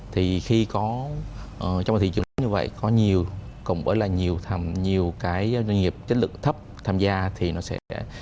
thì khi có trong thị trường như vậy có nhiều cùng với là nhiều doanh nghiệp chất lượng thấp tham gia thì nó sẽ